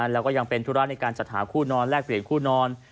แล้วก็ยังเป็นธุระในการจัดหาคู่นอนแลกเปลี่ยนคู่นอน